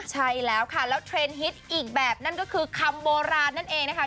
ใช่แล้วค่ะแล้วเทรนดฮิตอีกแบบนั่นก็คือคำโบราณนั่นเองนะคะ